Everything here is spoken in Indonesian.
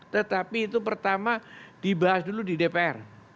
tetapi itu pertama dibahas dulu di dpr